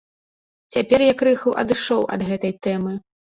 Цяпер я крыху адышоў ад гэтай тэмы.